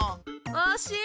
おしい。